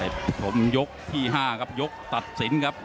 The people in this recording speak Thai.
ให้พรุ่งยกที่๕ครับยกตัดสินครับ